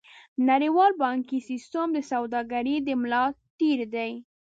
نړیوال بانکي سیستم د سوداګرۍ د ملا تیر دی.